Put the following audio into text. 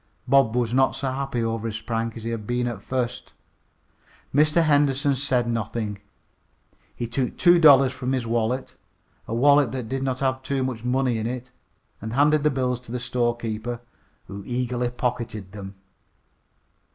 Bob was not so happy over his prank as he had been at first. Mr. Henderson said nothing. He took two dollars from his wallet a wallet that did not have any too much money in it and handed the bills to the storekeeper, who eagerly pocketed them.